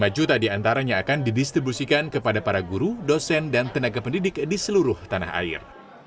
dan lima juta diantaranya akan didistribusikan kepada para guru dosen dan tenaga pendidik di seluruh tanah air